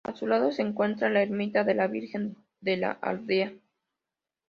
A su lado se encuentra la ermita de la Virgen de La Aldea.